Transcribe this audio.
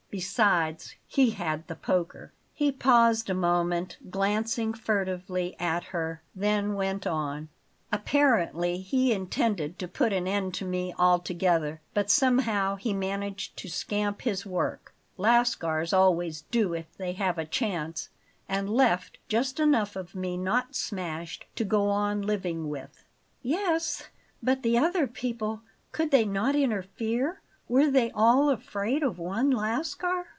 Besides, he had the poker." He paused a moment, glancing furtively at her; then went on: "Apparently he intended to put an end to me altogether; but somehow he managed to scamp his work Lascars always do if they have a chance; and left just enough of me not smashed to go on living with." "Yes, but the other people, could they not interfere? Were they all afraid of one Lascar?"